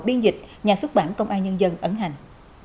biên dịch nhà xuất bản công an nhân dân ấn hành